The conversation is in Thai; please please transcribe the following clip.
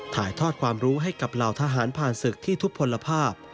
ถ่ายทอดความรู้ให้กับเหล่าทหารผ่านศึกที่ทุกผลภาพ